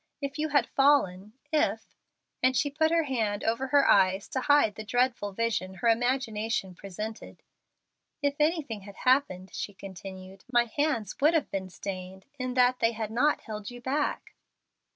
If you had fallen if " and she put her hand over her eyes to hide the dreadful vision her imagination presented. "If anything had happened," she continued, "my hands would have been stained, in that they had not held you back."